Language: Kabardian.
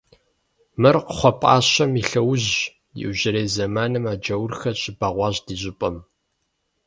— Мыр кхъуэпӀащэм и лъэужьщ, иужьрей зэманым а джаурхэр щыбэгъуащ ди щӀыпӀэм.